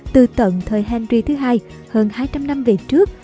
từ tận thời henry ii hơn hai trăm linh năm về trước